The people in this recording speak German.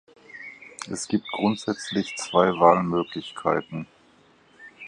Es gibt grundsätzlich zwei Wahlmöglichkeiten.